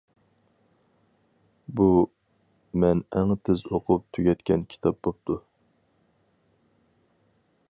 بۇ مەن ئەڭ تېز ئوقۇپ تۈگەتكەن كىتاب بوپتۇ.